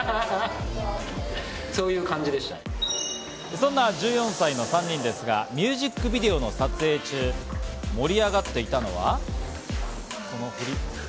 そんな１４歳の３人ですが、ミュージックビデオの撮影中、盛り上がっていたのは。